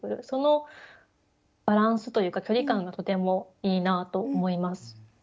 そのバランスというか距離感がとてもいいなと思います。